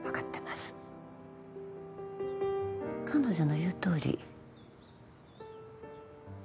彼女の言うとおり。